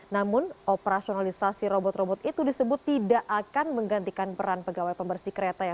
namun operasionalisasi robot robot itu disebut tidak akan menggantikan peran pegawai pembersih kereta ya